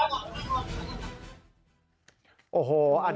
และกเตี๋ยววิ่งเล่าเห็นแต่คุณไฟ